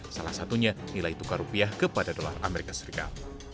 salah satunya nilai tukar rupiah kepada dolar amerika serikat